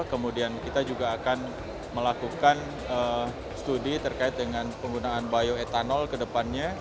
kemudian kita juga akan melakukan studi terkait dengan penggunaan bioetanol ke depannya